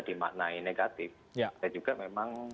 dimaknai negatif dan juga memang